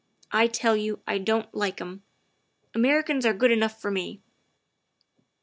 I tell you, I don't like 'em. Americans are good enough for me.